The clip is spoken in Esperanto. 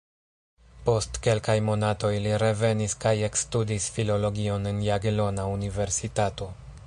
Post kelkaj monatoj li revenis kaj ekstudis filologion en Jagelona Universitato.